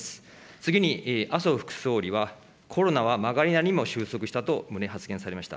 次に麻生副総理は、コロナはまがりなりにも収束したと旨、発言されました。